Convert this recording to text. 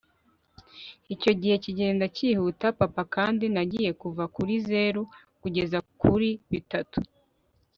icyo gihe kigenda cyihuta papa kandi nagiye kuva kuri zeru kugeza kuri bitatu